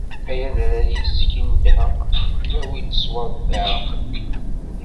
Ay adrar yis-k i nedheγ, awi-d ṣwab iεeṛqen.